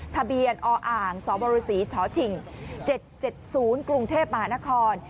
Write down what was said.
ทะเบียนออ่างสบศช๗๗๐กรุงเทพมหานคร